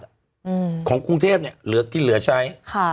อืมของกรุงเทพเนี่ยที่เหลือใช้ค่ะ